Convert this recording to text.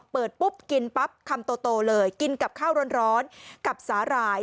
เปิดปุ๊บกินปั๊บคำโตเลยกินกับข้าวร้อนกับสาหร่าย